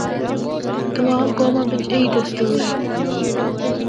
تمام قوماں وچ ایہہ دستور اے۔